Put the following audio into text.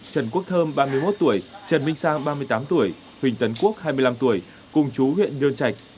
trần quốc thơm ba mươi một tuổi trần minh sang ba mươi tám tuổi huỳnh tấn quốc hai mươi năm tuổi cùng chú huyện nhơn trạch